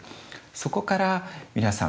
そこから皆さん